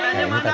hari itu dah